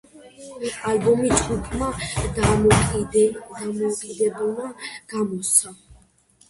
ალბომი ჯგუფმა დამოუკიდებლად გამოსცა.